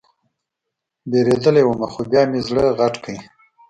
وېرېدلى وم خو بيا مې زړه غټ کړ.